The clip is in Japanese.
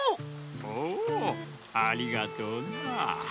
おおありがとうな。